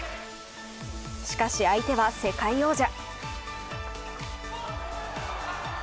しかし、開いては世界王者。